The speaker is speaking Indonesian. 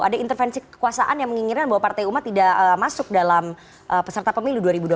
ada intervensi kekuasaan yang menginginkan bahwa partai umat tidak masuk dalam peserta pemilu dua ribu dua puluh